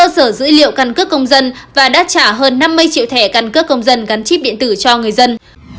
sở dữ liệu căn cước công dân và đã trả hơn năm mươi triệu thẻ căn cước công dân gắn chip điện tử cho người dân